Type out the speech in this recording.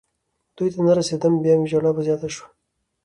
دوی ته نه رسېدم. بیا مې ژړا زیاته شوه.